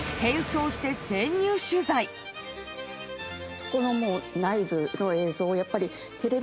そこの内部の映像をやっぱり。